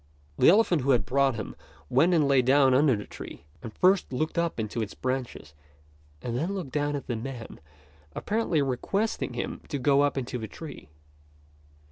The elephant who had brought him went and lay down under the tree, and first looked up into its branches and then looked down at the man, apparently requesting him to get up into the tree.